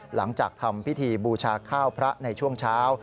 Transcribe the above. หลังจากทำพิธีบูชาข้าวพระในช่วงเช้า